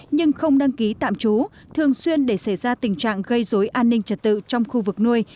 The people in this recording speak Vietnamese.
nhưng không đăng ký tạm trú thường xuyên để xảy ra tình trạng gây dối an ninh trật tự trong khu vực nuôi